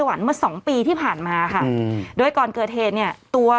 หวันเมื่อสองปีที่ผ่านมาค่ะอืมโดยก่อนเกิดเนี้ยตัว